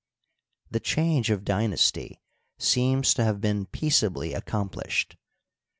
The change of dynasty seems to have been peaceably accomplished.